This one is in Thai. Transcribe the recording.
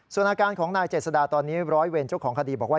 ส่วนอาการของนายเจษฎาตอนนี้ร้อยเวรเจ้าของคดีบอกว่า